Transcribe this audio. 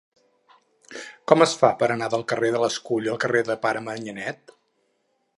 Com es fa per anar del carrer de l'Escull al carrer del Pare Manyanet?